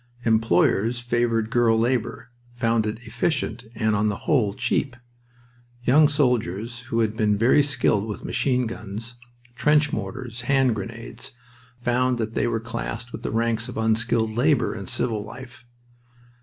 Employers favored girl labor, found it efficient and, on the whole, cheap. Young soldiers who had been very skilled with machine guns, trench mortars, hand grenades, found that they were classed with the ranks of unskilled labor in civil life.